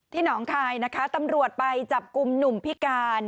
หนองคายนะคะตำรวจไปจับกลุ่มหนุ่มพิการ